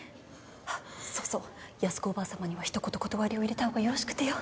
あっそうそう八寿子おばあさまには一言断りを入れた方がよろしくてよ。